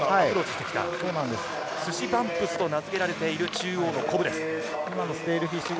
スシバンクと名付けられている、中央のコブです。